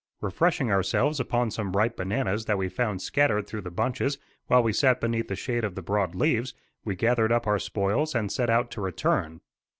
Refreshing ourselves upon some ripe bananas that we found scattered through the bunches, while we sat beneath the shade of the broad leaves, we gathered up our spoils and set out to return.